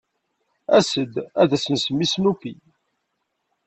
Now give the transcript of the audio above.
As-d ad as-nsemmi Snoopy.